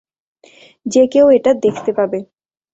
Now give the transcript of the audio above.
যে কেউ এটা দেখতে পাবে।